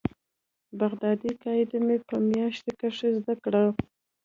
بغدادي قاعده مې په مياشت کښې زده کړه.